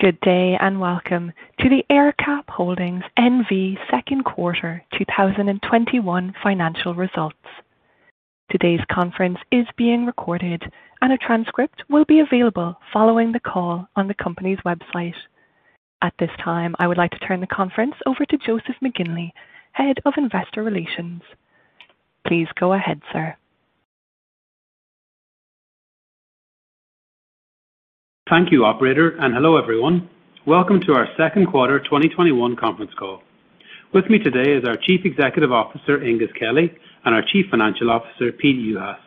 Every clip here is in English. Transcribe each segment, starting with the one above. Good day, and welcome to the AerCap Holdings N.V. second quarter 2021 financial results. Today's conference is being recorded, and a transcript will be available following the call on the company's website. At this time, I would like to turn the conference over to Joseph McGinley, Head of Investor Relations. Please go ahead, sir. Thank you, Operator, and hello, everyone. Welcome to our second quarter 2021 conference call. With me today is our Chief Executive Officer, Aengus Kelly, and our Chief Financial Officer, Peter Juhas.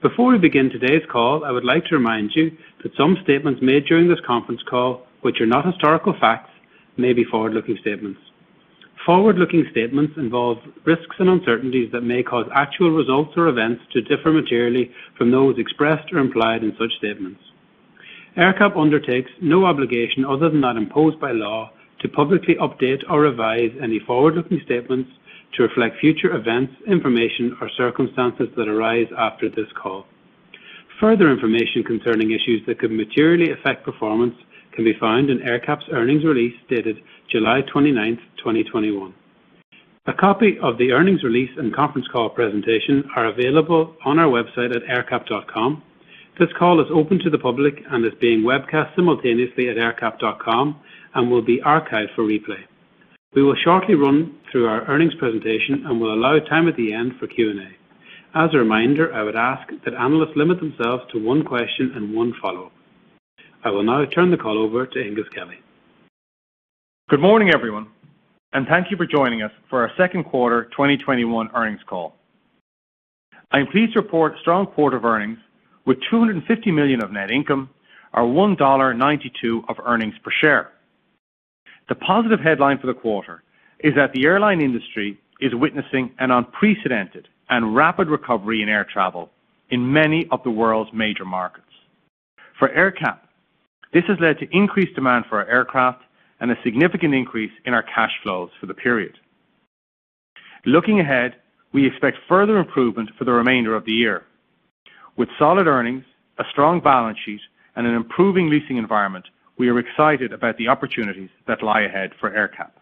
Before we begin today's call, I would like to remind you that some statements made during this conference call which are not historical facts may be forward-looking statements. Forward-looking statements involve risks and uncertainties that may cause actual results or events to differ materially from those expressed or implied in such statements. AerCap undertakes no obligation other than that imposed by law to publicly update or revise any forward-looking statements to reflect future events, information, or circumstances that arise after this call. Further information concerning issues that could materially affect performance can be found in AerCap's earnings release dated July 29th, 2021. A copy of the earnings release and conference call presentation are available on our website at aercap.com. This call is open to the public and is being webcast simultaneously at aercap.com and will be archived for replay. We will shortly run through our earnings presentation and will allow time at the end for Q&A. As a reminder, I would ask that analysts limit themselves to one question and one follow-up. I will now turn the call over to Aengus Kelly. Good morning, everyone, and thank you for joining us for our second quarter 2021 earnings call. I am pleased to report strong quarter of earnings with $250 million of net income or $1.92 of earnings per share. The positive headline for the quarter is that the airline industry is witnessing an unprecedented and rapid recovery in air travel in many of the world's major markets. For AerCap, this has led to increased demand for our aircraft and a significant increase in our cash flows for the period. Looking ahead, we expect further improvement for the remainder of the year. With solid earnings, a strong balance sheet, and an improving leasing environment, we are excited about the opportunities that lie ahead for AerCap.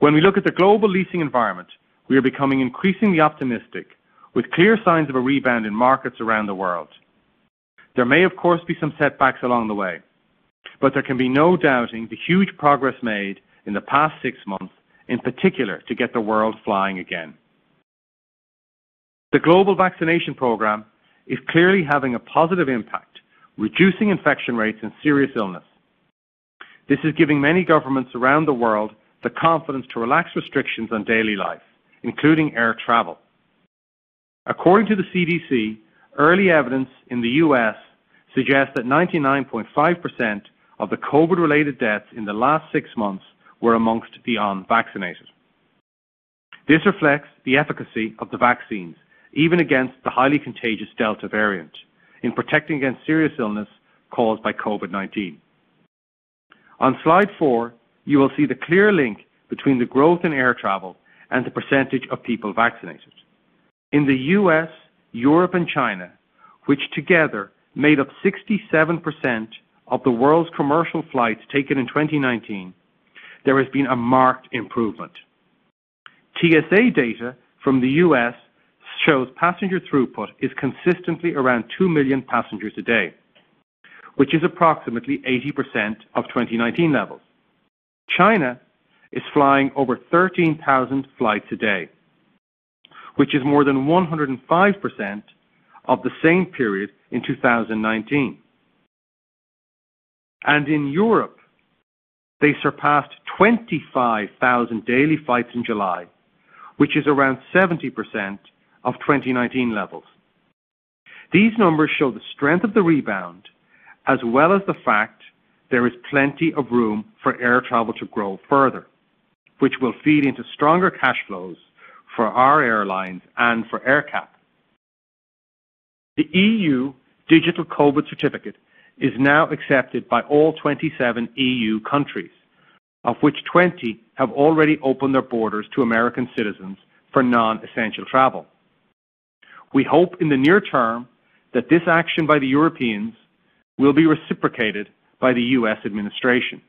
When we look at the global leasing environment, we are becoming increasingly optimistic with clear signs of a rebound in markets around the world. There may, of course, be some setbacks along the way, there can be no doubting the huge progress made in the past six months, in particular to get the world flying again. The global vaccination program is clearly having a positive impact, reducing infection rates and serious illness. This is giving many governments around the world the confidence to relax restrictions on daily life, including air travel. According to the CDC, early evidence in the U.S. suggests that 99.5% of the COVID-related deaths in the last six months were amongst the unvaccinated. This reflects the efficacy of the vaccines, even against the highly contagious Delta variant, in protecting against serious illness caused by COVID-19. On slide four, you will see the clear link between the growth in air travel and the percentage of people vaccinated. In the U.S., Europe, and China, which together made up 67% of the world's commercial flights taken in 2019, there has been a marked improvement. TSA data from the U.S. shows passenger throughput is consistently around 2 million passengers a day, which is approximately 80% of 2019 levels. China is flying over 13,000 flights a day, which is more than 105% of the same period in 2019. In Europe, they surpassed 25,000 daily flights in July, which is around 70% of 2019 levels. These numbers show the strength of the rebound, as well as the fact there is plenty of room for air travel to grow further, which will feed into stronger cash flows for our airlines and for AerCap. The EU Digital COVID Certificate is now accepted by all 27 EU countries, of which 20 have already opened their borders to American citizens for non-essential travel. We hope in the near term that this action by the Europeans will be reciprocated by the U.S. administration.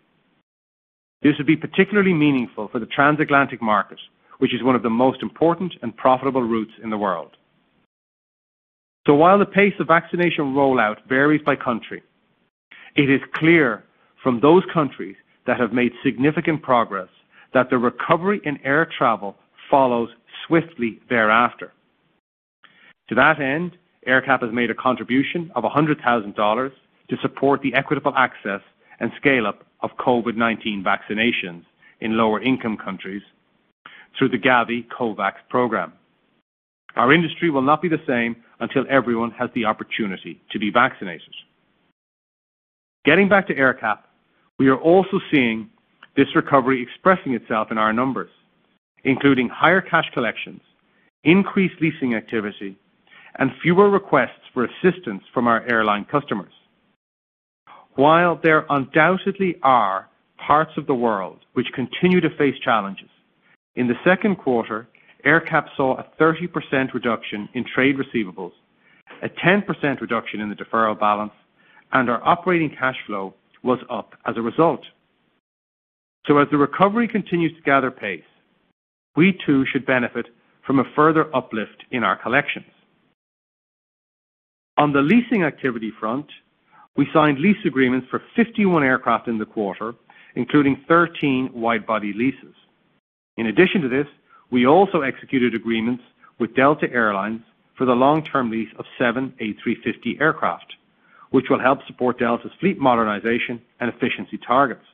This would be particularly meaningful for the transatlantic market, which is one of the most important and profitable routes in the world. While the pace of vaccination rollout varies by country, it is clear from those countries that have made significant progress that the recovery in air travel follows swiftly thereafter. To that end, AerCap has made a contribution of $100,000 to support the equitable access and scale-up of COVID-19 vaccinations in lower income countries through the Gavi COVAX program. Our industry will not be the same until everyone has the opportunity to be vaccinated. Getting back to AerCap, we are also seeing this recovery expressing itself in our numbers, including higher cash collections, increased leasing activity, and fewer requests for assistance from our airline customers. While there undoubtedly are parts of the world which continue to face challenges. In the second quarter, AerCap saw a 30% reduction in trade receivables, a 10% reduction in the deferral balance, and our operating cash flow was up as a result. As the recovery continues to gather pace, we too should benefit from a further uplift in our collections. On the leasing activity front, we signed lease agreements for 51 aircraft in the quarter, including 13 wide-body leases. In addition to this, we also executed agreements with Delta Air Lines for the long-term lease of seven A350 aircraft, which will help support Delta's fleet modernization and efficiency targets.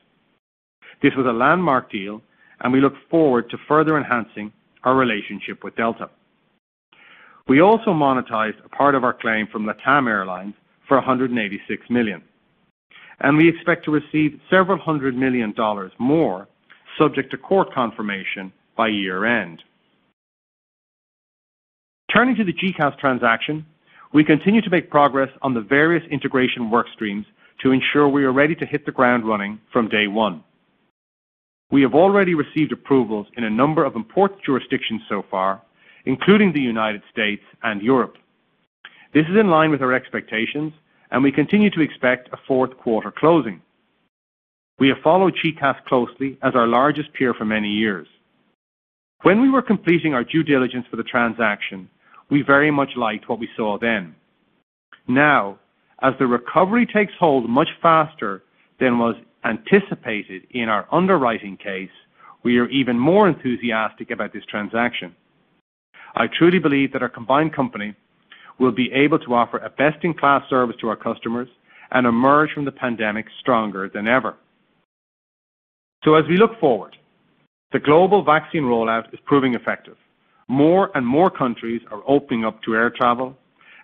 This was a landmark deal, and we look forward to further enhancing our relationship with Delta. We also monetized a part of our claim from LATAM Airlines for $186 million, and we expect to receive several hundred million dollars more, subject to court confirmation, by year-end. Turning to the GECAS transaction, we continue to make progress on the various integration workstreams to ensure we are ready to hit the ground running from day one. We have already received approvals in a number of important jurisdictions so far, including the United States and Europe. This is in line with our expectations, and we continue to expect a fourth quarter closing. We have followed GECAS closely as our largest peer for many years. When we were completing our due diligence for the transaction, we very much liked what we saw then. Now, as the recovery takes hold much faster than was anticipated in our underwriting case, we are even more enthusiastic about this transaction. I truly believe that our combined company will be able to offer a best-in-class service to our customers and emerge from the pandemic stronger than ever. As we look forward, the global vaccine rollout is proving effective. More and more countries are opening up to air travel,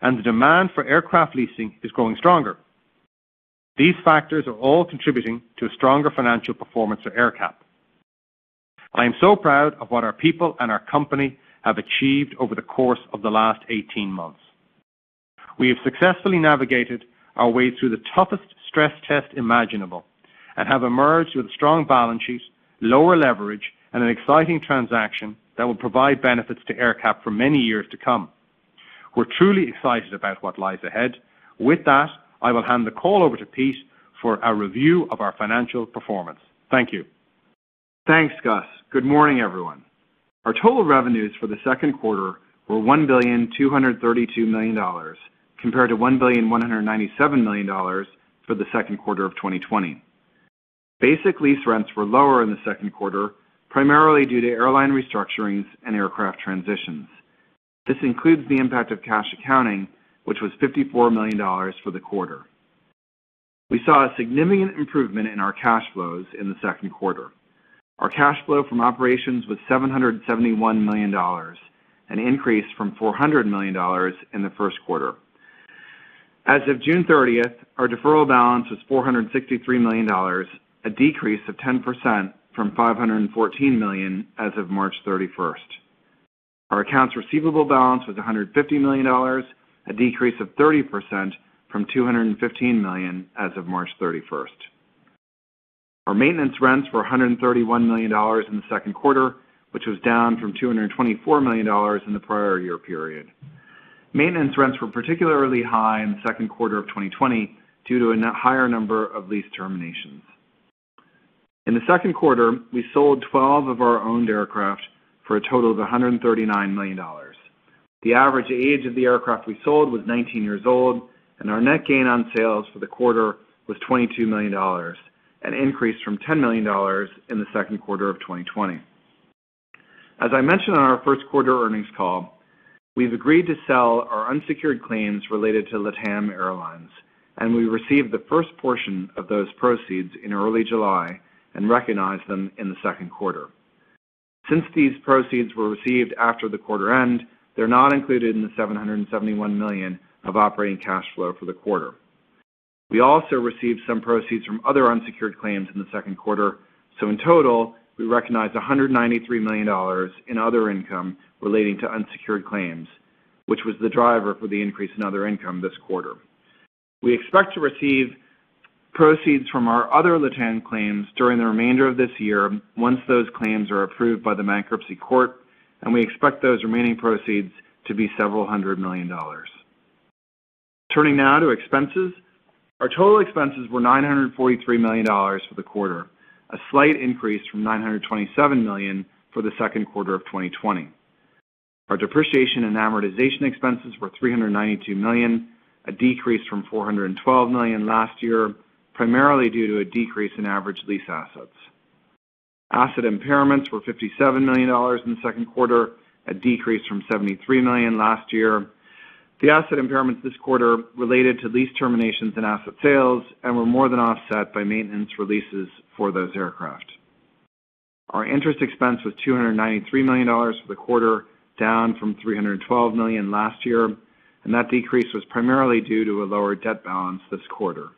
and the demand for aircraft leasing is growing stronger. These factors are all contributing to a stronger financial performance for AerCap. I am so proud of what our people and our company have achieved over the course of the last 18 months. We have successfully navigated our way through the toughest stress test imaginable and have emerged with a strong balance sheet, lower leverage, and an exciting transaction that will provide benefits to AerCap for many years to come. We're truly excited about what lies ahead. With that, I will hand the call over to Pete for a review of our financial performance. Thank you. Thanks, Gus. Good morning, everyone. Our total revenues for the second quarter were $1,232 million, compared to $1,197 million for the second quarter of 2020. Basic lease rents were lower in the second quarter, primarily due to airline restructurings and aircraft transitions. This includes the impact of cash accounting, which was $54 million for the quarter. We saw a significant improvement in our cash flows in the second quarter. Our cash flow from operations was $771 million, an increase from $400 million in the first quarter. As of June 30th, our deferral balance was $463 million, a decrease of 10% from $514 million as of March 31st. Our accounts receivable balance was $150 million, a decrease of 30% from $215 million as of March 31st. Our maintenance rents were $131 million in the second quarter, which was down from $224 million in the prior year period. Maintenance rents were particularly high in the second quarter of 2020 due to a higher number of lease terminations. In the second quarter, we sold 12 of our owned aircraft for a total of $139 million. The average age of the aircraft we sold was 19 years old, and our net gain on sales for the quarter was $22 million, an increase from $10 million in the second quarter of 2020. As I mentioned on our first quarter earnings call, we've agreed to sell our unsecured claims related to LATAM Airlines, and we received the first portion of those proceeds in early July and recognized them in the second quarter. Since these proceeds were received after the quarter end, they're not included in the $771 million of operating cash flow for the quarter. We also received some proceeds from other unsecured claims in the second quarter. In total, we recognized $193 million in other income relating to unsecured claims, which was the driver for the increase in other income this quarter. We expect to receive proceeds from our other LATAM claims during the remainder of this year, once those claims are approved by the bankruptcy court, and we expect those remaining proceeds to be several hundred million dollars. Turning now to expenses. Our total expenses were $943 million for the quarter, a slight increase from $927 million for the second quarter of 2020. Our depreciation and amortization expenses were $392 million, a decrease from $412 million last year, primarily due to a decrease in average lease assets. Asset impairments were $57 million in the second quarter, a decrease from $73 million last year. The asset impairments this quarter related to lease terminations and asset sales and were more than offset by maintenance releases for those aircraft. Our interest expense was $293 million for the quarter, down from $312 million last year. That decrease was primarily due to a lower debt balance this quarter.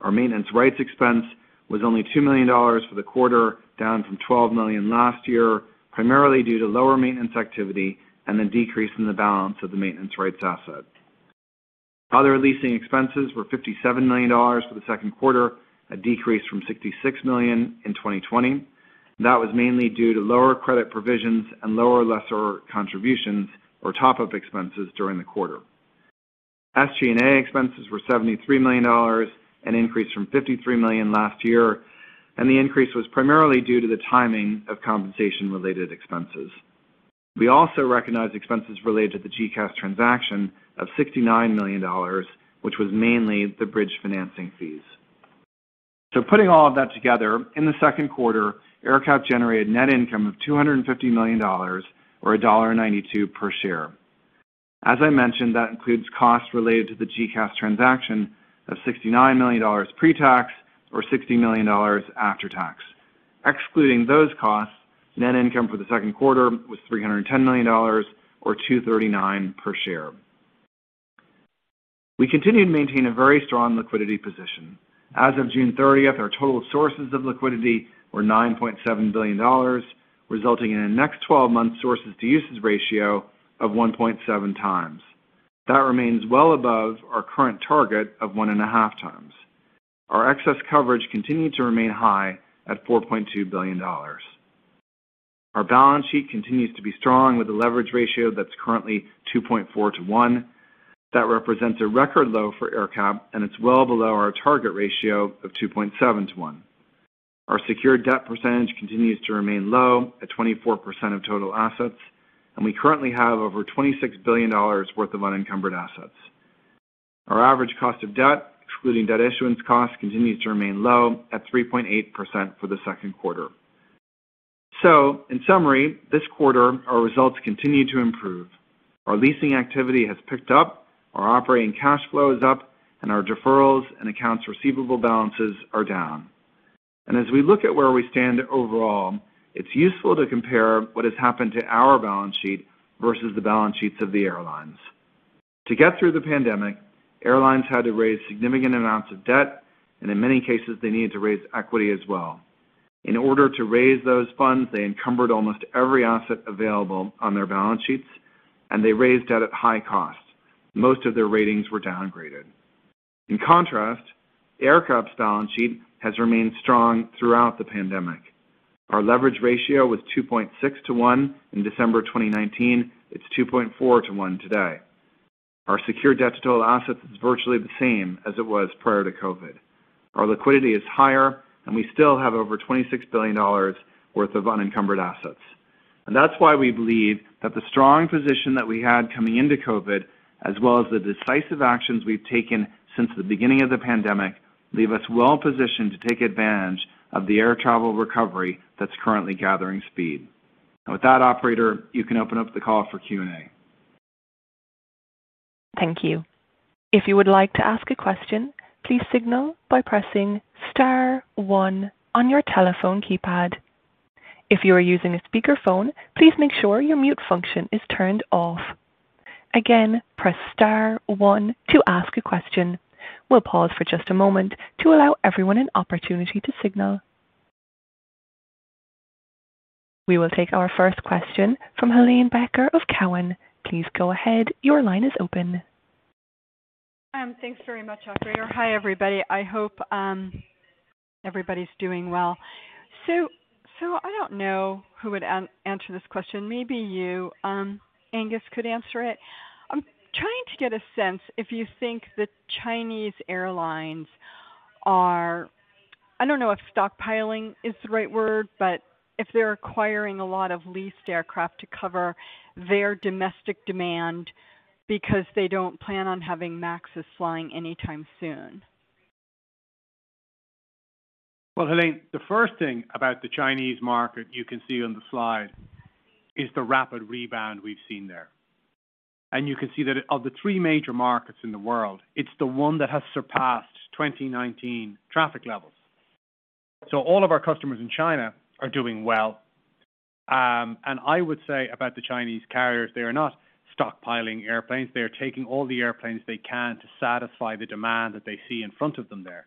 Our maintenance rights expense was only $2 million for the quarter, down from $12 million last year, primarily due to lower maintenance activity and a decrease in the balance of the maintenance rights asset. Other leasing expenses were $57 million for the second quarter, a decrease from $66 million in 2020. That was mainly due to lower credit provisions and lower lessor contributions or top-up expenses during the quarter. SG&A expenses were $73 million, an increase from $53 million last year. The increase was primarily due to the timing of compensation-related expenses. We also recognized expenses related to the GECAS transaction of $69 million, which was mainly the bridge financing fees. Putting all of that together, in the second quarter, AerCap generated net income of $250 million, or $1.92 per share. As I mentioned, that includes costs related to the GECAS transaction of $69 million pre-tax, or $60 million after tax. Excluding those costs, net income for the second quarter was $310 million, or $2.39 per share. We continue to maintain a very strong liquidity position. As of June 30th, our total sources of liquidity were $9.7 billion, resulting in a next 12-month sources to uses ratio of 1.7 times. That remains well above our current target of 1.5 times. Our excess coverage continued to remain high at $4.2 billion. Our balance sheet continues to be strong with a leverage ratio that is currently 2.4 to one. That represents a record low for AerCap, and it's well below our target ratio of 2.7 to one. Our secured debt percentage continues to remain low at 24% of total assets, and we currently have over $26 billion worth of unencumbered assets. Our average cost of debt, excluding debt issuance costs, continues to remain low at 3.8% for the second quarter. In summary, this quarter, our results continued to improve. Our leasing activity has picked up, our operating cash flow is up, and our deferrals and accounts receivable balances are down. As we look at where we stand overall, it's useful to compare what has happened to our balance sheet versus the balance sheets of the airlines. To get through the pandemic, airlines had to raise significant amounts of debt, and in many cases, they needed to raise equity as well. In order to raise those funds, they encumbered almost every asset available on their balance sheets. They raised debt at high costs. Most of their ratings were downgraded. In contrast, AerCap's balance sheet has remained strong throughout the pandemic. Our leverage ratio was 2.6 to one in December 2019. It's 2.4 to one today. Our secure debt to total assets is virtually the same as it was prior to COVID. Our liquidity is higher, and we still have over $26 billion worth of unencumbered assets. That's why we believe that the strong position that we had coming into COVID, as well as the decisive actions we've taken since the beginning of the pandemic, leave us well-positioned to take advantage of the air travel recovery that's currently gathering speed. With that, Operator, you can open up the call for Q&A. Thank you. If you would like to ask a question, please signal by pressing star one on your telephone keypad. If you are using a speakerphone, please make sure your mute function is turned off. Again, press star one to ask a question. We'll pause for just a moment to allow everyone an opportunity to signal. We will take our first question from Helane Becker of Cowen. Please go ahead. Your line is open. Thanks very much, Operator. Hi, everybody. I hope everybody's doing well. I don't know who would answer this question. Maybe you, Aengus, could answer it. I'm trying to get a sense if you think the Chinese airlines are, I don't know if stockpiling is the right word, but if they're acquiring a lot of leased aircraft to cover their domestic demand because they don't plan on having MAXes flying anytime soon. Well, Helane, the first thing about the Chinese market you can see on the slide is the rapid rebound we've seen there. You can see that of the three major markets in the world, it's the one that has surpassed 2019 traffic levels. All of our customers in China are doing well. I would say about the Chinese carriers, they are not stockpiling airplanes. They are taking all the airplanes they can to satisfy the demand that they see in front of them there.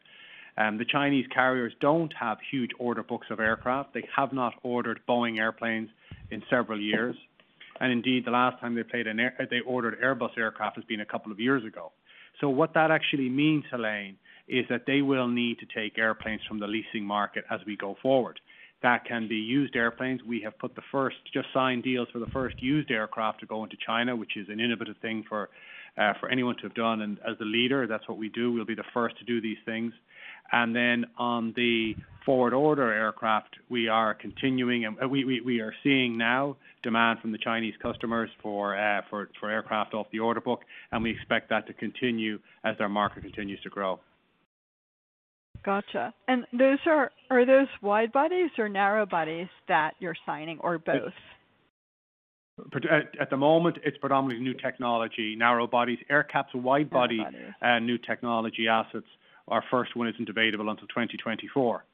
The Chinese carriers don't have huge order books of aircraft. They have not ordered Boeing airplanes in several years. Indeed, the last time they ordered Airbus aircraft has been a couple of years ago. What that actually means, Helane, is that they will need to take airplanes from the leasing market as we go forward. That can be used airplanes. We have just signed deals for the first used aircraft to go into China, which is an innovative thing for anyone to have done. As a leader, that's what we do. We'll be the first to do these things. On the forward order aircraft, we are seeing now demand from the Chinese customers for aircraft off the order book, and we expect that to continue as their market continues to grow. Got you. Are those wide bodies or narrow bodies that you're signing, or both? At the moment, it's predominantly new technology, narrow bodies. AerCap's wide body Narrow-body New technology assets. Our first one isn't available until 2024.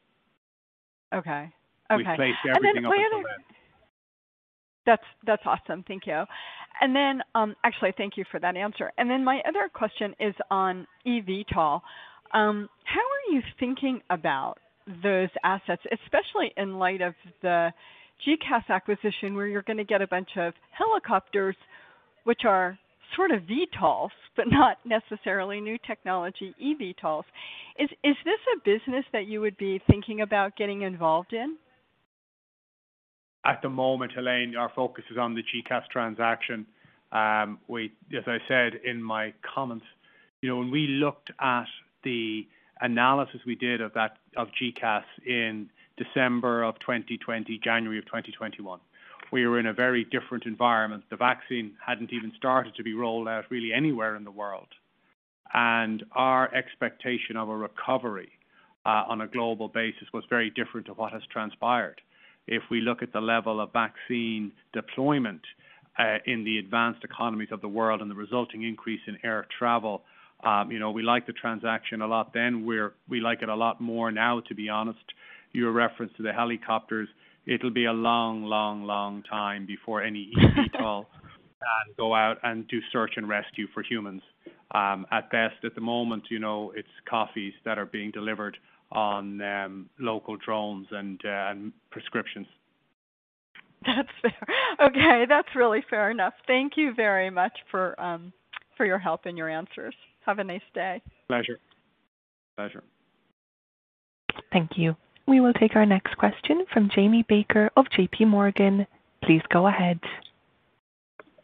Okay. We've placed everything up to there. That's awesome. Thank you. Actually, thank you for that answer. My other question is on eVTOL. How are you thinking about those assets, especially in light of the GECAS acquisition, where you're going to get a bunch of helicopters, which are sort of VTOLs, but not necessarily new technology, eVTOLs. Is this a business that you would be thinking about getting involved in? At the moment, Helane, our focus is on the GECAS transaction. As I said in my comments, when we looked at the analysis we did of GECAS in December of 2020, January of 2021, we were in a very different environment. The vaccine hadn't even started to be rolled out really anywhere in the world. Our expectation of a recovery on a global basis was very different to what has transpired. If we look at the level of vaccine deployment in the advanced economies of the world and the resulting increase in air travel, we liked the transaction a lot then. We like it a lot more now, to be honest. Your reference to the helicopters, it'll be a long, long, long time before any eVTOL can go out and do search and rescue for humans. At best, at the moment, it's coffees that are being delivered on local drones and prescriptions. That's fair. Okay. That's really fair enough. Thank you very much for your help and your answers. Have a nice day. Pleasure. Thank you. We will take our next question from Jamie Baker of JPMorgan. Please go ahead.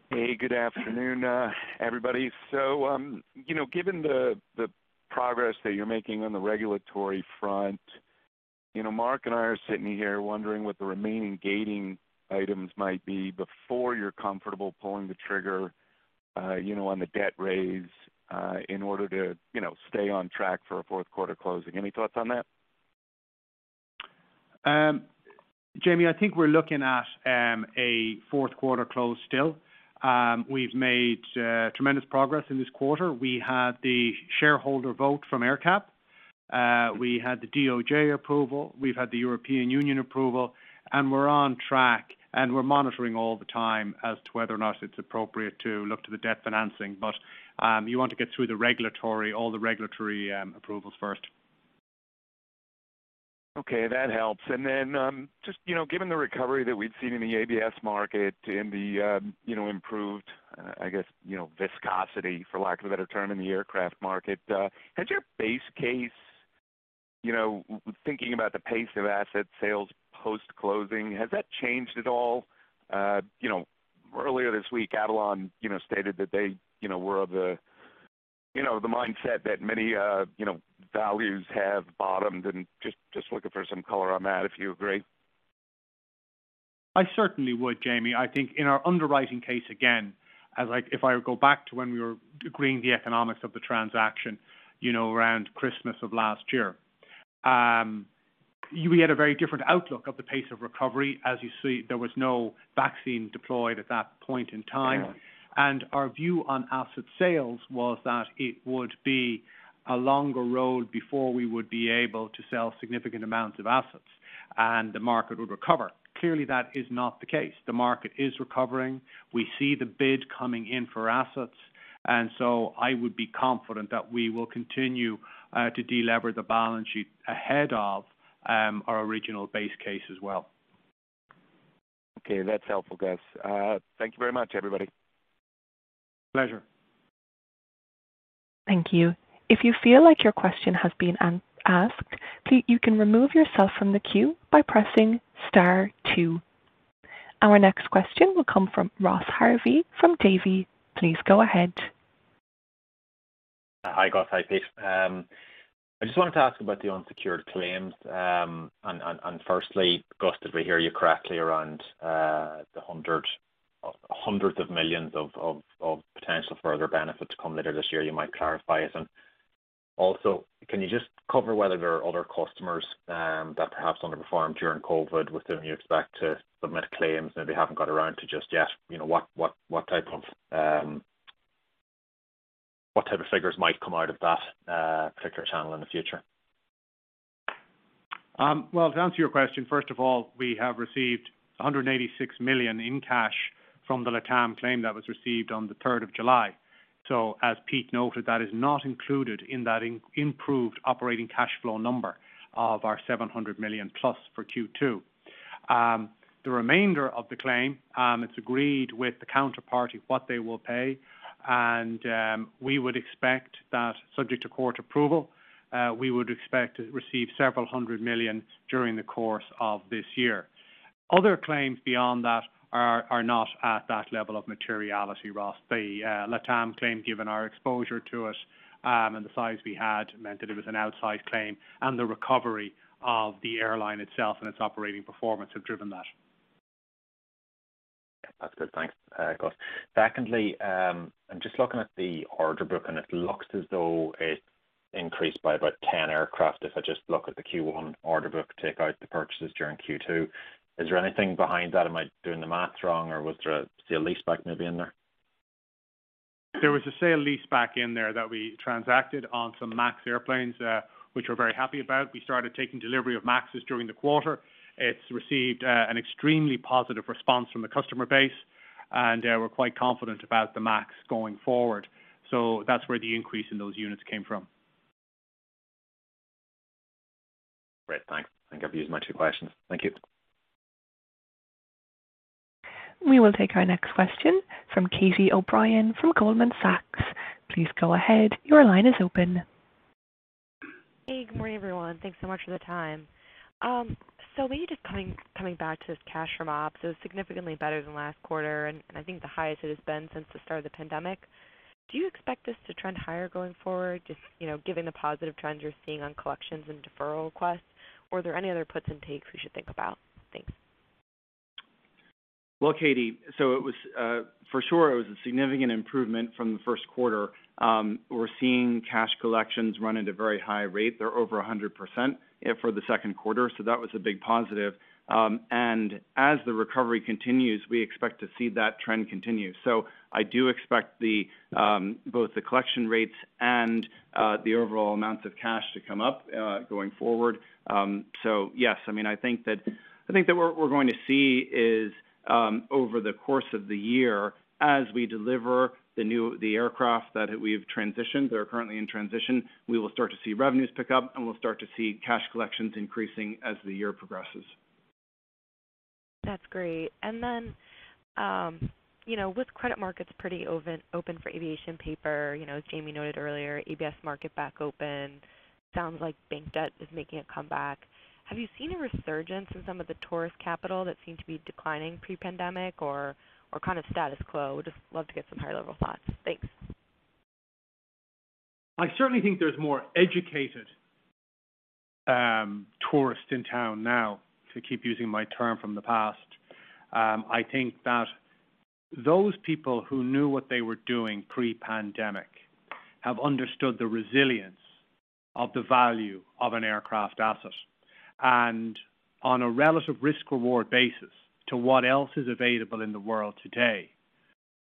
Hey, good afternoon, everybody. Given the progress that you're making on the regulatory front, Mark and I are sitting here wondering what the remaining gating items might be before you're comfortable pulling the trigger on the debt raise in order to stay on track for a fourth quarter closing. Any thoughts on that? Jamie, I think we're looking at a fourth quarter close still. We've made tremendous progress in this quarter. We had the shareholder vote from AerCap. We had the DOJ approval. We've had the European Union approval, and we're on track, and we're monitoring all the time as to whether or not it's appropriate to look to the debt financing. You want to get through all the regulatory approvals first. Okay. That helps. Then just given the recovery that we've seen in the ABS market, in the improved, I guess, viscosity, for lack of a better term, in the aircraft market, has your base case, thinking about the pace of asset sales post-closing, has that changed at all? Earlier this week, Avolon stated that they were of the mindset that many values have bottomed and just looking for some color on that, if you agree. I certainly would, Jamie. I think in our underwriting case, again, if I go back to when we were agreeing the economics of the transaction, around Christmas of last year. We had a very different outlook of the pace of recovery. As you see, there was no vaccine deployed at that point in time. Yeah. Our view on asset sales was that it would be a longer road before we would be able to sell significant amounts of assets, and the market would recover. Clearly, that is not the case. The market is recovering. We see the bid coming in for assets, I would be confident that we will continue to delever the balance sheet ahead of our original base case as well. Okay. That's helpful, guys. Thank you very much, everybody. Pleasure. Thank you. If you feel like your question has been asked, you can remove yourself from the queue by pressing star two. Our next question will come from Ross Harvey from Davy. Please go ahead. Hi, Gus. Hi, Pete. I just wanted to ask about the unsecured claims. Firstly, Gus, did we hear you correctly around the hundreds of millions of potential further benefits to come later this year? You might clarify it. Also, can you just cover whether there are other customers that perhaps underperformed during COVID with whom you expect to submit claims, maybe haven't got around to just yet, what type of figures might come out of that particular channel in the future? Well, to answer your question, first of all, we have received $186 million in cash from the LATAM claim that was received on the third of July. As Pete noted, that is not included in that improved operating cash flow number of our $700 million for Q2. The remainder of the claim, it is agreed with the counterparty what they will pay. We would expect that subject to court approval, we would expect to receive several hundred million during the course of this year. Other claims beyond that are not at that level of materiality, Ross. The LATAM claim, given our exposure to it, and the size we had meant that it was an outsized claim, and the recovery of the airline itself and its operating performance have driven that. Yeah. That's good. Thanks, Gus. Secondly, I'm just looking at the order book, and it looks as though it increased by about 10 aircraft. If I just look at the Q1 order book, take out the purchases during Q2. Is there anything behind that? Am I doing the math wrong, or was there a sale leaseback maybe in there? There was a sale leaseback in there that we transacted on some MAX airplanes, which we're very happy about. We started taking delivery of MAXes during the quarter. It's received an extremely positive response from the customer base, and we're quite confident about the MAX going forward. That's where the increase in those units came from. I think I've used my two questions. Thank you. We will take our next question from Catherine O'Brien from Goldman Sachs. Please go ahead. Your line is open. Hey, good morning, everyone. Thanks so much for the time. Maybe just coming back to this cash from ops, it was significantly better than last quarter, and I think the highest it has been since the start of the pandemic. Do you expect this to trend higher going forward, just given the positive trends you're seeing on collections and deferral requests? Are there any other puts and takes we should think about? Thanks. Well, Katie, for sure it was a significant improvement from the first quarter. We're seeing cash collections run at a very high rate. They're over 100% for the second quarter, so that was a big positive. As the recovery continues, we expect to see that trend continue. I do expect both the collection rates and the overall amounts of cash to come up going forward. Yes, I think that what we're going to see is, over the course of the year, as we deliver the aircraft that we've transitioned, that are currently in transition, we will start to see revenues pick up, and we'll start to see cash collections increasing as the year progresses. That's great. With credit markets pretty open for aviation paper, as Jamie noted earlier, ABS market back open. Sounds like bank debt is making a comeback. Have you seen a resurgence in some of the tourist capital that seemed to be declining pre-pandemic, or kind of status quo? Just love to get some high-level thoughts. Thanks. I certainly think there's more educated tourists in town now, to keep using my term from the past. I think that those people who knew what they were doing pre-pandemic have understood the resilience of the value of an aircraft asset. On a relative risk-reward basis to what else is available in the world today,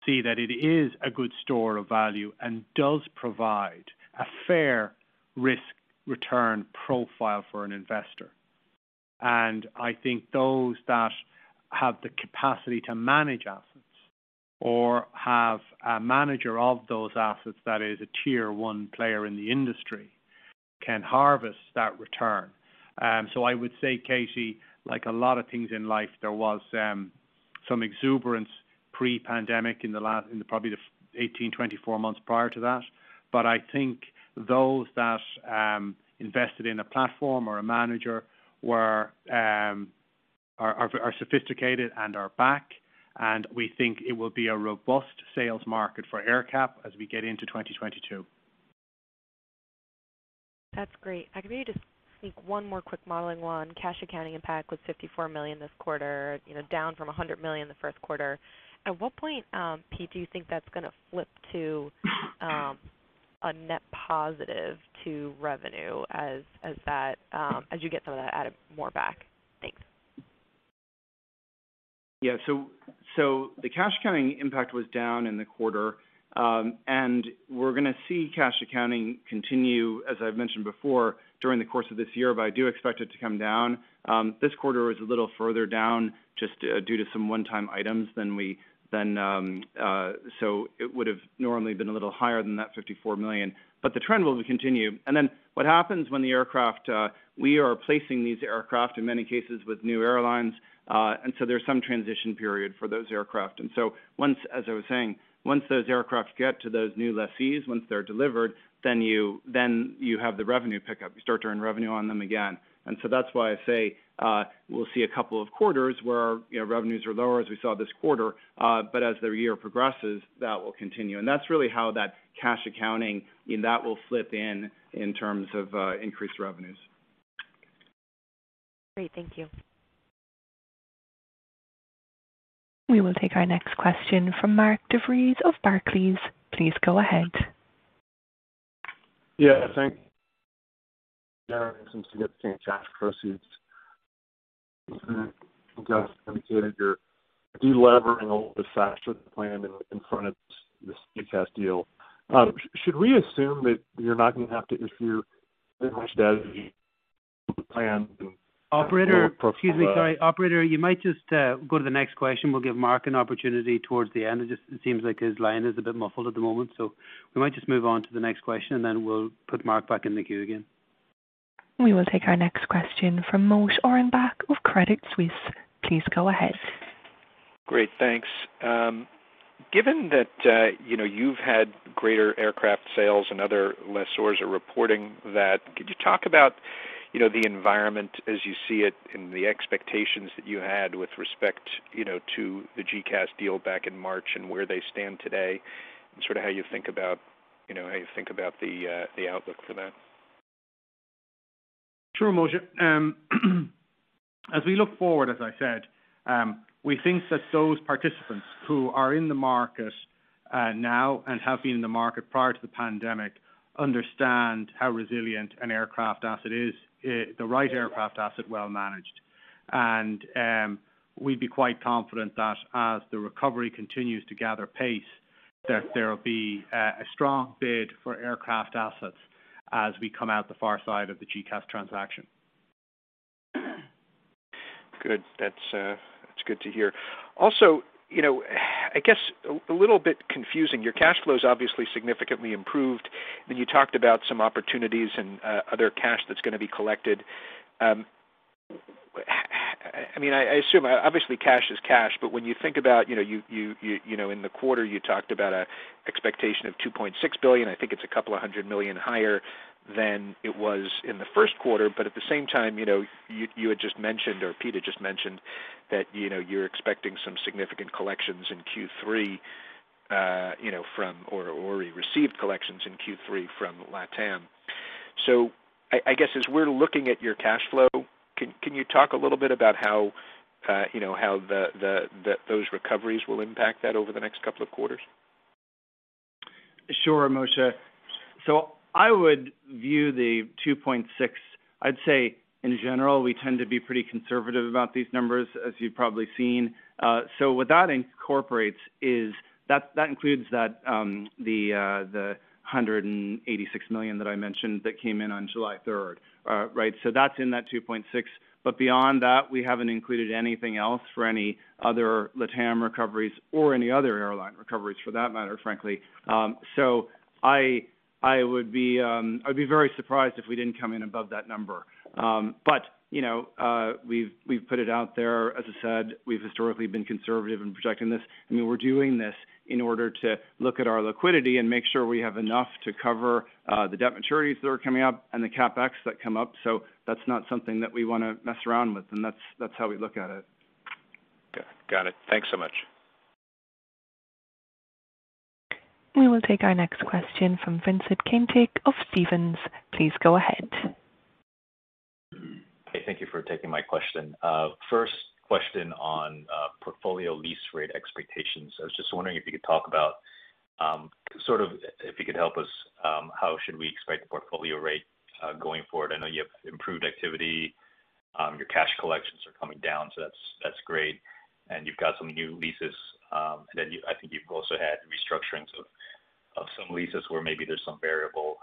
see that it is a good store of value and does provide a fair risk-return profile for an investor. I think those that have the capacity to manage assets or have a manager of those assets that is a Tier 1 player in the industry, can harvest that return. I would say, Katie, like a lot of things in life, there was some exuberance pre-pandemic in probably the 18, 24 months prior to that. I think those that invested in a platform or a manager are sophisticated and are back, and we think it will be a robust sales market for AerCap as we get into 2022. That's great. I can maybe just sneak one more quick modeling one. Cash accounting impact was $54 million this quarter, down from $100 million the first quarter. At what point, Pete, do you think that's going to flip to a net positive to revenue as you get some of that added more back? Thanks. The cash accounting impact was down in the quarter. We're going to see cash accounting continue, as I've mentioned before, during the course of this year, but I do expect it to come down. This quarter was a little further down just due to some one-time items, so it would've normally been a little higher than that $54 million. The trend will continue. What happens when the aircraft, we are placing these aircraft, in many cases, with new airlines. There's some transition period for those aircraft. Once, as I was saying, once those aircraft get to those new lessees, once they're delivered, then you have the revenue pickup. You start to earn revenue on them again. That's why I say we'll see a couple of quarters where our revenues are lower, as we saw this quarter. As the year progresses, that will continue. That's really how that cash accounting, and that will flip in terms of increased revenues. Great. Thank you. We will take our next question from Mark DeVries of Barclays. Please go ahead. Yeah, thanks. Some significant cash proceeds. De-levering a little bit faster than planned in front of this GECAS deal. Should we assume that you're not going to have to issue as much debt as you had planned? Operator. Excuse me, sorry. Operator, you might just go to the next question. We'll give Mark an opportunity towards the end. It seems like his line is a bit muffled at the moment, so we might just move on to the next question, and then we'll put Mark back in the queue again. We will take our next question from Moshe Orenbuch of Credit Suisse. Please go ahead. Great. Thanks. Given that you've had greater aircraft sales and other lessors are reporting that, could you talk about the environment as you see it and the expectations that you had with respect to the GECAS deal back in March and where they stand today, and sort of how you think about the outlook for that? Sure, Moshe. As we look forward, as I said, we think that those participants who are in the market now and have been in the market prior to the pandemic understand how resilient an aircraft asset is, the right aircraft asset well managed. We'd be quite confident that as the recovery continues to gather pace, that there'll be a strong bid for aircraft assets as we come out the far side of the GECAS transaction. Good. That's good to hear. I guess a little bit confusing, your cash flow is obviously significantly improved, and you talked about some opportunities and other cash that's going to be collected. I assume, obviously, cash is cash, when you think about in the quarter, you talked about an expectation of $2.6 billion. I think it's a couple of hundred million higher than it was in the first quarter. At the same time, you had just mentioned, or Peter just mentioned, that you're expecting some significant collections in Q3 from, or already received collections in Q3 from LATAM. I guess as we're looking at your cash flow, can you talk a little bit about how those recoveries will impact that over the next couple of quarters? Sure, Moshe. I would view the $2.6, I'd say in general, we tend to be pretty conservative about these numbers, as you've probably seen. What that incorporates is that includes the $186 million that I mentioned that came in on July 3rd. Right? That's in that $2.6, but beyond that, we haven't included anything else for any other LATAM recoveries or any other airline recoveries for that matter, frankly. I would be very surprised if we didn't come in above that number. We've put it out there. As I said, we've historically been conservative in projecting this. We're doing this in order to look at our liquidity and make sure we have enough to cover the debt maturities that are coming up and the CapEx that come up. That's not something that we want to mess around with, and that's how we look at it. Okay. Got it. Thanks so much. We will take our next question from Vincent Caintic of Stephens. Please go ahead. Hey, thank you for taking my question. First question on portfolio lease rate expectations. I was just wondering if you could help us, how should we expect the portfolio rate going forward? I know you have improved activity. Your cash collections are coming down, so that's great. You've got some new leases that I think you've also had restructurings of some leases where maybe there's some variable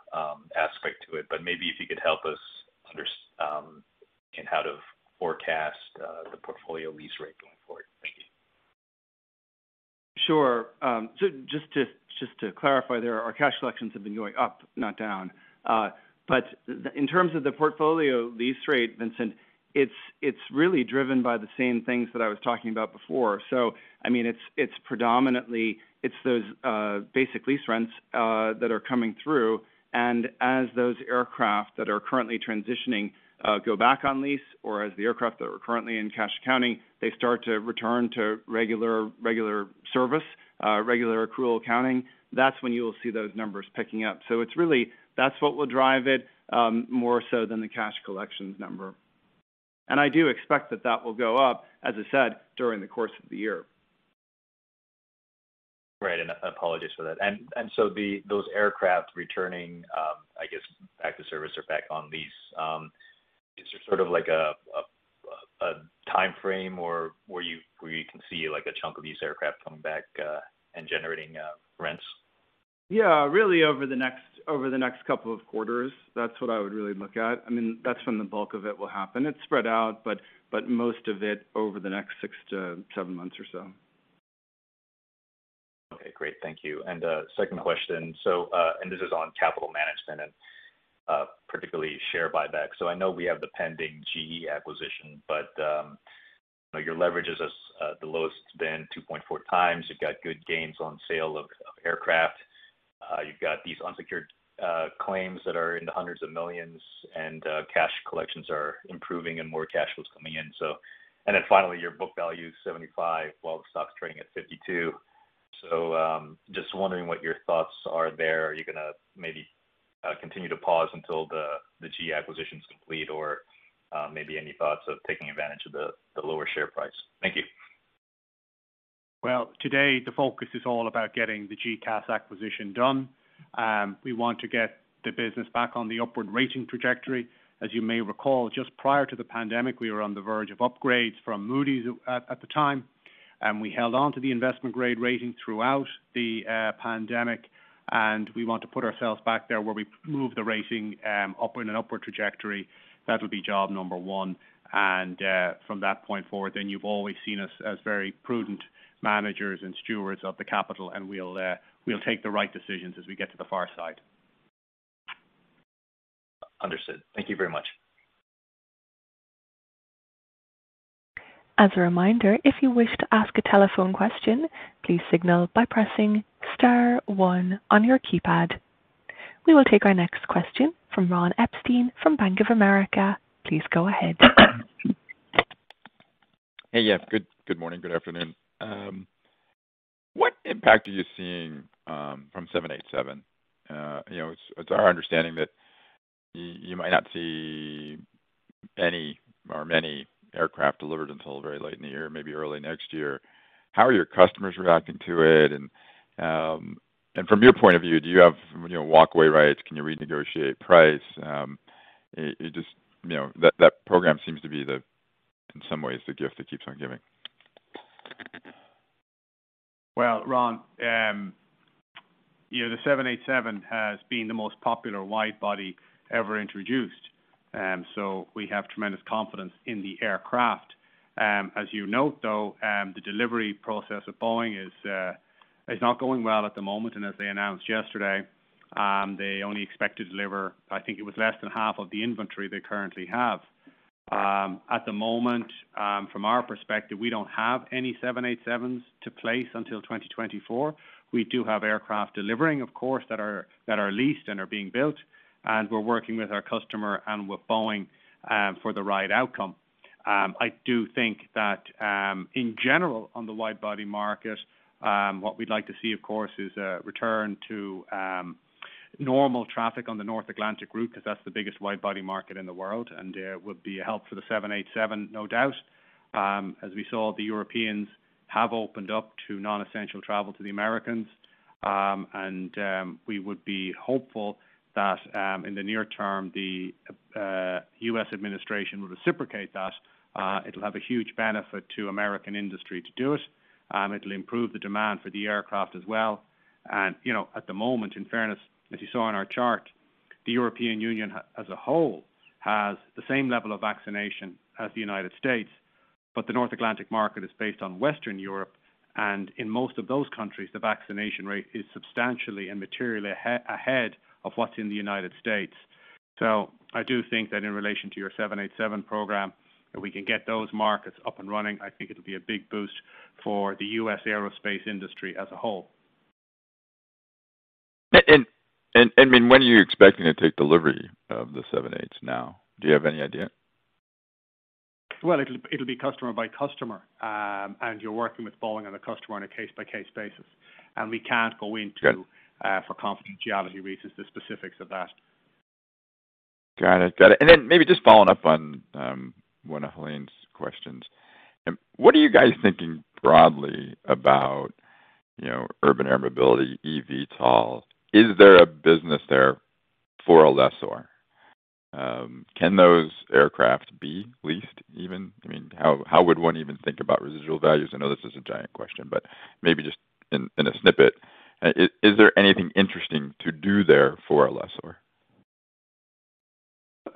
aspect to it. Maybe if you could help us understand how to forecast the portfolio lease rate going forward. Thank you. Sure. Just to clarify there, our cash collections have been going up, not down. In terms of the portfolio lease rate, Vincent, it's really driven by the same things that I was talking about before. It's predominantly those basic lease rents that are coming through, and as those aircraft that are currently transitioning go back on lease, or as the aircraft that are currently in cash accounting, they start to return to regular service, regular accrual accounting, that's when you will see those numbers picking up. It's really that's what will drive it more so than the cash collections number. I do expect that that will go up, as I said, during the course of the year. Right, apologies for that. Those aircraft returning, I guess, back to service or back on lease, is there a time frame where you can see a chunk of these aircraft coming back and generating rents? Yeah, really over the next couple of quarters. That's what I would really look at. That's when the bulk of it will happen. It's spread out, but most of it over the next six to seven months or so. Okay, great. Thank you. Second question. This is on capital management and particularly share buyback. I know we have the pending GE acquisition, but your leverage is the lowest it's been, 2.4 times. You've got good gains on sale of aircraft. You've got these unsecured claims that are in the hundreds of millions, and cash collections are improving and more cash flow's coming in. Then finally, your book value is $75, while the stock's trading at $52. Just wondering what your thoughts are there. Are you going to maybe continue to pause until the GE acquisition's complete, or maybe any thoughts of taking advantage of the lower share price? Thank you. Today the focus is all about getting the GECAS acquisition done. We want to get the business back on the upward rating trajectory. As you may recall, just prior to the pandemic, we were on the verge of upgrades from Moody's at the time, and we held onto the investment grade rating throughout the pandemic, and we want to put ourselves back there where we move the rating up in an upward trajectory. That'll be job number one. From that point forward, then you've always seen us as very prudent managers and stewards of the capital, and we'll take the right decisions as we get to the far side. Understood. Thank you very much. As a reminder, if you wish to ask a telephone question, please signal by pressing star one on your keypad. We will take our next question from Ronald Epstein from Bank of America. Please go ahead. Hey. Yeah. Good morning, good afternoon. What impact are you seeing from 787? It's our understanding that you might not see any or many aircraft delivered until very late in the year, maybe early next year. How are your customers reacting to it? From your point of view, do you have walkaway rights? Can you renegotiate price? That program seems to be the, in some ways, the gift that keeps on giving. Well, Ron, the 787 has been the most popular wide-body ever introduced. We have tremendous confidence in the aircraft. As you note, though, the delivery process of Boeing is not going well at the moment, and as they announced yesterday, they only expect to deliver, I think it was less than half of the inventory they currently have. At the moment, from our perspective, we don't have any 787s to place until 2024. We do have aircraft delivering, of course, that are leased and are being built. We're working with our customer and with Boeing for the right outcome. I do think that, in general, on the wide-body market, what we'd like to see, of course, is a return to normal traffic on the North Atlantic route, because that's the biggest wide-body market in the world, and would be a help for the 787, no doubt. As we saw, the Europeans have opened up to non-essential travel to the Americans. We would be hopeful that, in the near term, the U.S. administration will reciprocate that. It'll have a huge benefit to American industry to do it. It'll improve the demand for the aircraft as well. At the moment, in fairness, as you saw in our chart, the European Union as a whole has the same level of vaccination as the United States. The North Atlantic market is based on Western Europe, and in most of those countries, the vaccination rate is substantially and materially ahead of what's in the United States. I do think that in relation to your 787 program, if we can get those markets up and running, I think it'll be a big boost for the U.S. aerospace industry as a whole. When are you expecting to take delivery of the 787s now? Do you have any idea? Well, it'll be customer by customer. You're working with Boeing and the customer on a case-by-case basis. We can't go into- Good for confidentiality reasons, the specifics of that. Got it. Then maybe just following up on one of Helane's questions. What are you guys thinking broadly about urban air mobility, eVTOL? Is there a business there for a lessor? Can those aircraft be leased even? How would one even think about residual values? I know this is a giant question, but maybe just in a snippet. Is there anything interesting to do there for a lessor?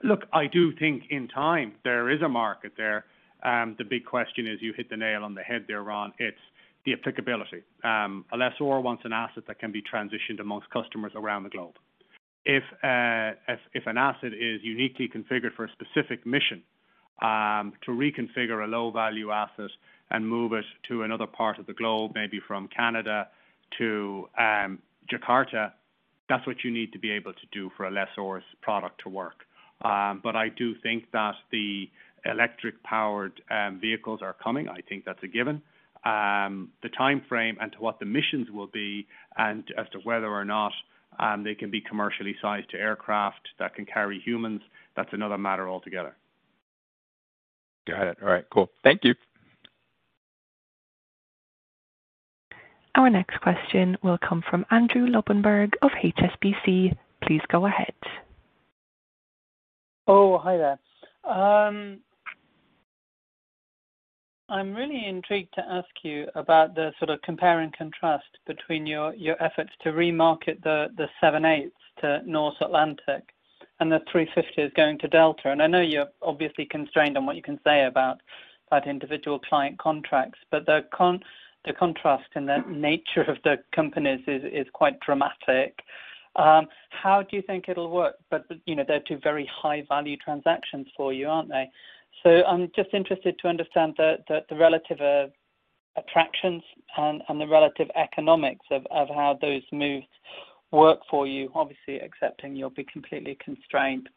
Look, I do think in time, there is a market there. The big question is, you hit the nail on the head there, Ron, it's the applicability. A lessor wants an asset that can be transitioned amongst customers around the globe. If an asset is uniquely configured for a specific mission, to reconfigure a low-value asset and move it to another part of the globe, maybe from Canada to Jakarta, that's what you need to be able to do for a lessor's product to work. I do think that the electric-powered vehicles are coming. I think that's a given. The timeframe and to what the missions will be and as to whether or not they can be commercially sized to aircraft that can carry humans, that's another matter altogether. Got it. All right, cool. Thank you. Our next question will come from Andrew Lobbenberg of HSBC. Please go ahead. Oh, hi there. I'm really intrigued to ask you about the sort of compare and contrast between your efforts to remarket the 787s to North Atlantic and the A350s going to Delta. I know you're obviously constrained on what you can say about individual client contracts, but the contrast in the nature of the companies is quite dramatic. How do you think it'll work? They're two very high-value transactions for you, aren't they? I'm just interested to understand the relative attractions and the relative economics of how those moves work for you, obviously accepting you'll be completely constrained.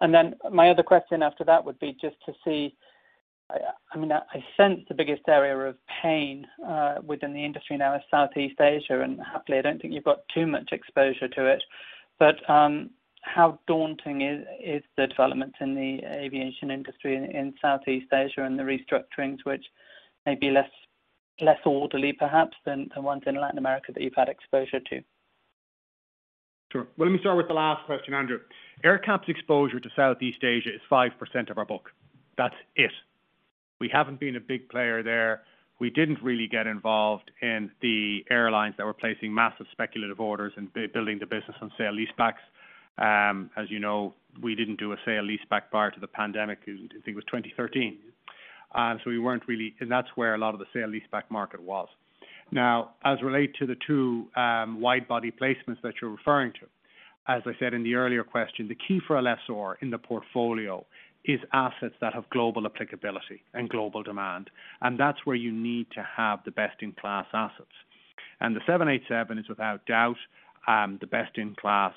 My other question after that would be just to see, I sense the biggest area of pain within the industry now is Southeast Asia, and happily, I don't think you've got too much exposure to it. How daunting is the development in the aviation industry in Southeast Asia and the restructurings, which may be less orderly, perhaps, than ones in Latin America that you've had exposure to? Sure. Well, let me start with the last question, Andrew. AerCap's exposure to Southeast Asia is 5% of our book. That's it. We haven't been a big player there. We didn't really get involved in the airlines that were placing massive speculative orders and building the business on sale-leasebacks. As you know, we didn't do a sale-leaseback prior to the pandemic. I think it was 2013. That's where a lot of the sale-leaseback market was. As it relates to the two wide-body placements that you're referring to, as I said in the earlier question, the key for a lessor in the portfolio is assets that have global applicability and global demand, and that's where you need to have the best-in-class assets. The 787 is without doubt the best-in-class,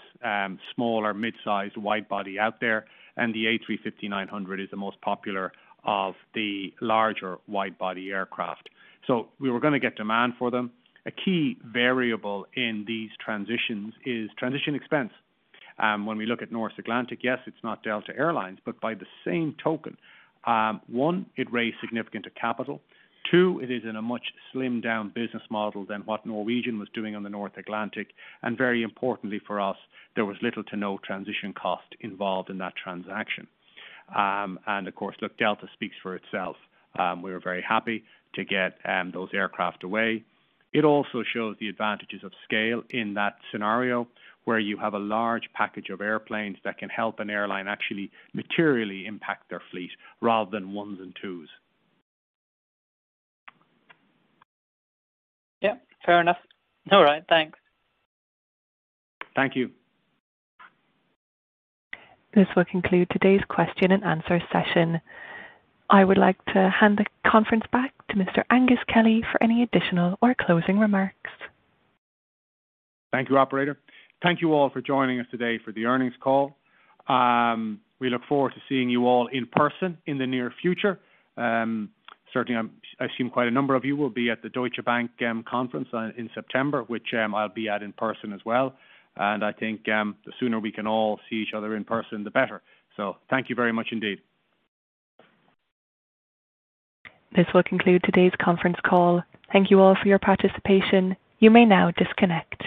small or mid-sized wide-body out there, and the A350-900 is the most popular of the larger wide-body aircraft. We were going to get demand for them. A key variable in these transitions is transition expense. When we look at North Atlantic, yes, it's not Delta Air Lines, but by the same token, one, it raised significant capital. Two, it is in a much slimmed-down business model than what Norwegian was doing on the North Atlantic. Very importantly for us, there was little to no transition cost involved in that transaction. Of course, look, Delta speaks for itself. We were very happy to get those aircraft away. It also shows the advantages of scale in that scenario, where you have a large package of airplanes that can help an airline actually materially impact their fleet rather than ones and twos. Yeah. Fair enough. All right. Thanks. Thank you. This will conclude today's question-and-answer session. I would like to hand the conference back to Mr. Aengus Kelly for any additional or closing remarks. Thank you, Operator. Thank you all for joining us today for the earnings call. We look forward to seeing you all in person in the near future. Certainly, I assume quite a number of you will be at the Deutsche Bank conference in September, which I'll be at in person as well. I think the sooner we can all see each other in person, the better. Thank you very much indeed. This will conclude today's conference call. Thank you all for your participation. You may now disconnect.